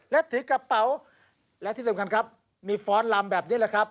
และถือกระเป๋าและที่สำคัญครับมีฟ้อนลำแบบนี้แหละครับ